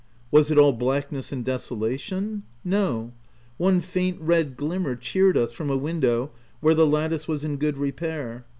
Was it all blackness and desolation ? No ; one faint red glimmer cheered us from a window where the lattice was in good repair.